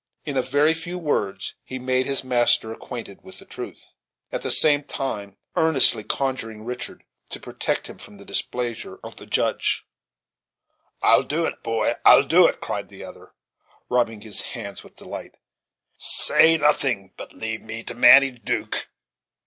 In a very few words he made his master acquainted with the truth, at the same time earnestly conjuring Richard to protect him from the displeasure of the lodge "I'll do it, boy, I'll do it," cried the other, rubbing his hands with delight; "say nothing, but leave me to manage Duke.